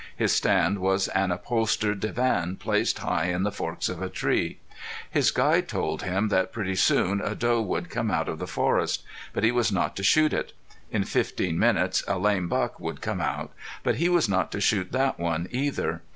His stand was an upholstered divan placed high in the forks of a tree. His guide told him that pretty soon a doe would come out of the forest. But he was not to shoot it. In fifteen minutes a lame buck would come out. But he was not to shoot that one either.